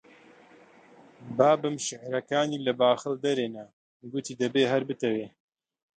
بابم شیعرەکانی لە باخەڵ دەرێنا، گوتی: دەبێ هەر بتەوێ